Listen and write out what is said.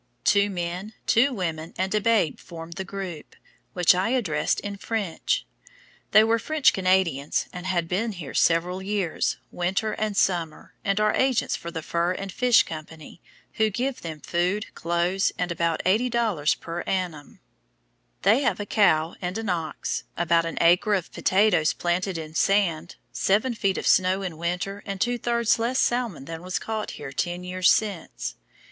Two men, two women, and a babe formed the group, which I addressed in French. They were French Canadians and had been here several years, winter and summer, and are agents for the Fur and Fish Co., who give them food, clothes, and about $80 per annum. They have a cow and an ox, about an acre of potatoes planted in sand, seven feet of snow in winter, and two thirds less salmon than was caught here ten years since.